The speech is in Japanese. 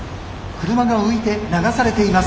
車が浮いて流されています。